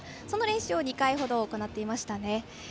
その練習を２回ほど行っていましたね。